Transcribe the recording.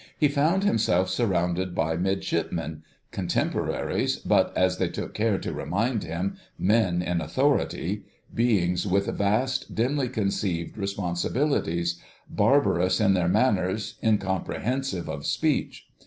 He found himself surrounded by Midshipmen: contemporaries, but, as they took care to remind him, men in authority—beings with vast, dimly conceived responsibilities: barbarous in their manners, incomprehensive of speech.